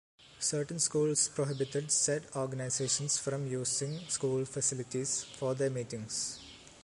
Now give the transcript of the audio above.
Certain schools prohibited said organizations from using school facilities for their meetings.